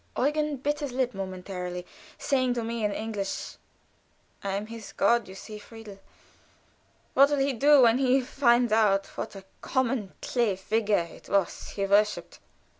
Eugen bit his lip momentarily, saying to me in English: "I am his God, you see, Friedel. What will he do when he finds out what a common clay figure it was he worshiped?"